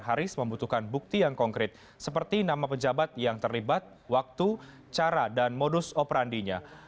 haris membutuhkan bukti yang konkret seperti nama pejabat yang terlibat waktu cara dan modus operandinya